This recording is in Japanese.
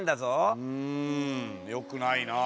うんよくないな。